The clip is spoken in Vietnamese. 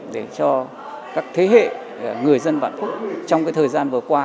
để cho các thế hệ người dân vạn phúc trong thời gian vừa qua